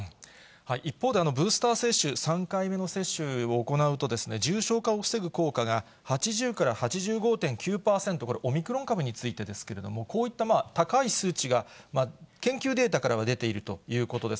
一方で、ブースター接種、３回目の接種を行うと、重症化を防ぐ効果が８０から８５．９％、これ、オミクロン株についてですけれども、こういった高い数値が、研究データからは出ているということです。